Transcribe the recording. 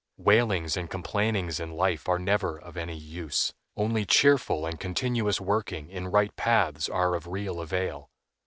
Wailings and complainings in life are never of any use; only cheerful and continuous working in right paths are of real avail.